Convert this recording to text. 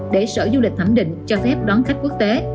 để sở du lịch thẩm định cho phép đón khách quốc tế